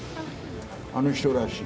あの人らしい。